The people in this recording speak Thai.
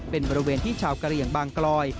เป็นบริเวณที่ชาวกะเหลี่ยงบางกลอย